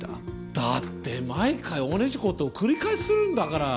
だって毎回同じこと繰り返すんだから。